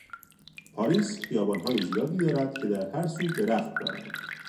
پاریس خیابانهای زیادی دارد که در هر سو درخت دارند.